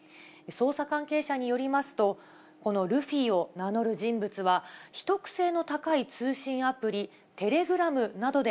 捜査関係者によりますと、このルフィを名乗る人物は、秘匿性の高い通信アプリ、テレグラムなどで、